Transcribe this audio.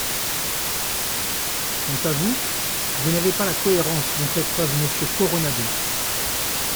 Quant à vous, vous n’avez pas la cohérence dont fait preuve Monsieur Coronado.